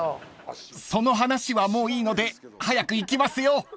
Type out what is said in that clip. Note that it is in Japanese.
［その話はもういいので早く行きますよ］